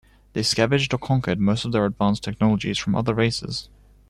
They scavenged or conquered most of their advanced technologies from other races.